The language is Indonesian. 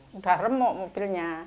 sudah remuk mobilnya